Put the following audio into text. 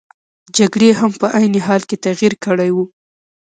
جګړې هم په عین حال کې تغیر کړی وو.